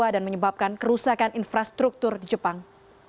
dan menyebabkan kerusakan infrastruktur di jepang